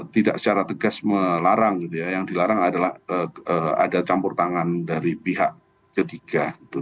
tidak secara tegas melarang yang dilarang adalah ada campur tangan dari pihak ketiga